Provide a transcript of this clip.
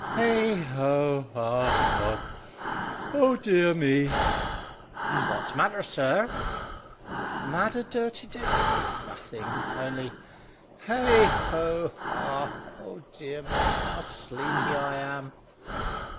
"Heigh Ho Ha Hum! Oh dear me!" "What's matter, sir?" "Matter, Dirty Dick? Nothing; only, heigh ho ha! Oh dear me, how sleepy I am!"